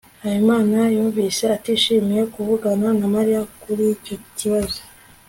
habimana yumvise atishimiye kuvugana na mariya kuri icyo kibazo